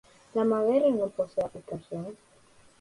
La madera no posee aplicaciones.